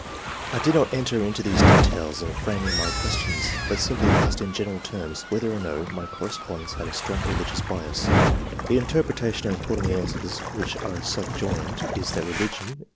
I did not enter into these details in framing my questions, but simply asked in general terms whether or no my correspondents had a strong r "" The interpretation I put on the ioined, is that religion, in II.] QUALITIES.